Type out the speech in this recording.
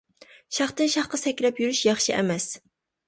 شاختىن شاخقا سەكرەپ يۈرۈش ياخشى ئەمەس.